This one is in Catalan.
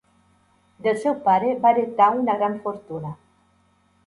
Del seu pare va heretar una gran fortuna.